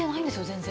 全然。